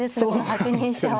８二飛車は。